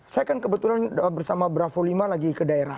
saya kan kebetulan bersama bravo lima lagi ke daerah